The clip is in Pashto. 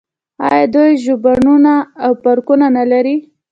آیا دوی ژوبڼونه او پارکونه نلري؟